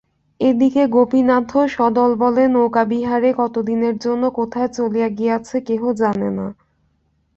এ দিকে গোপীনাথও সদলবলে নৌকাবিহারে কতদিনের জন্য কোথায় চলিয়া গিয়াছে কেহ জানে না।